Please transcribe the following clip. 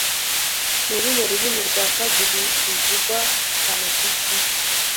Ni uruhe rurimi rwa kabiri ruvugwa cyane kwisi